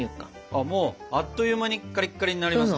あっもうあっという間にカリッカリになりましたね。